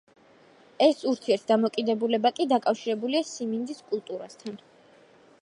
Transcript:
ეს ურთიერთდამოკიდებულება კი დაკავშირებულია სიმინდის კულტურასთან.